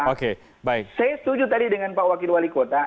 saya setuju tadi dengan pak wakil wali kota